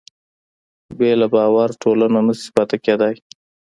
بې له باور ټولنه نهشي پاتې کېدی.